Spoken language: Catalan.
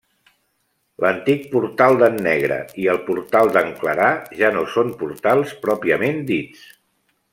L'antic portal d'en Negre i el portal d'en Clarà ja no són portals pròpiament dits.